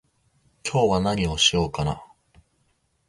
今日は何をしようかな